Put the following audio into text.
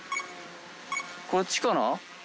こっちかな？